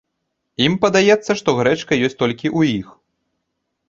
Ім падаецца, што грэчка ёсць толькі ў іх.